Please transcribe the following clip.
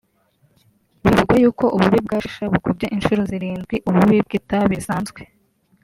Bivugwa yuko ububi bwa shisha bukubye incuro zirindwi ububi bw’itabi risanzwe